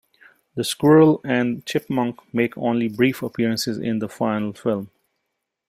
The squirrel and chipmunk make only brief appearances in the final film.